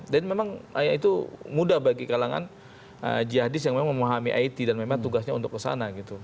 memang itu mudah bagi kalangan jihadis yang memang memahami it dan memang tugasnya untuk kesana gitu